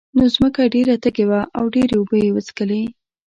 خو ځمکه ډېره تږې وه او ډېرې اوبه یې وڅکلې.